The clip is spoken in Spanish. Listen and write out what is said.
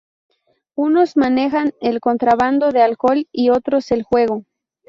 Unos manejan el contrabando de alcohol y los otros el juego.